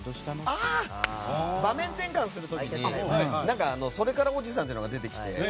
場面転換する時にそれからおじさんっていうのが出てきてね。